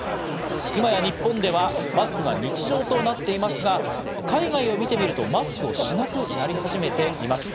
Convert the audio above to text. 今や日本ではマスクが日常となっていますが、海外を見てみるとマスクをしなくなり始めています。